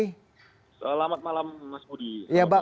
selamat malam mas budi